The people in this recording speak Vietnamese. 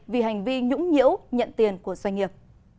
vì hành vi nhũng nhiễu nhận tiền của doanh nghiệp